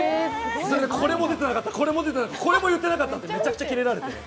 これも出てなかった、これも言ってなかったってめちゃくちゃキレられて。